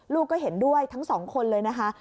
ลูกก็เห็นด้วยทั้งสองคนเลยนะคะ